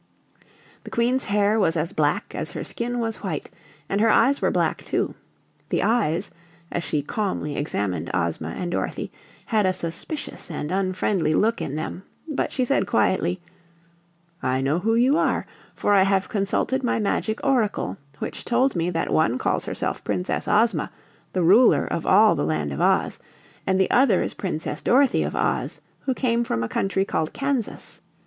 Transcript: The Queen's hair was as black as her skin was white and her eyes were black, too. The eyes, as she calmly examined Ozma and Dorothy, had a suspicious and unfriendly look in them, but she said quietly: "I know who you are, for I have consulted my Magic Oracle, which told me that one calls herself Princess Ozma, the Ruler of all the Land of Oz, and the other is Princess Dorothy of Oz, who came from a country called Kansas.